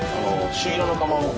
朱色のかまぼこ。